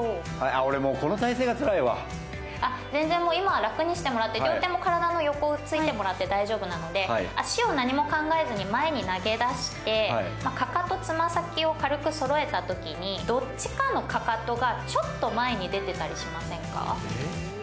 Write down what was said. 俺、もうこの体勢がつらいわ全然もう、今は楽にしてもらって両手もからだの横に置いてもらって大丈夫なので、脚を何も考えずに前に投げ出して、かかと、爪先を軽くそろえたときにどっちかのかかとがちょっと前に出てたりしませんか？